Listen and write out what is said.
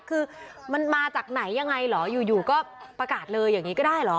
คือมันมาจากไหนยังไงเหรออยู่ก็ประกาศเลยอย่างนี้ก็ได้เหรอ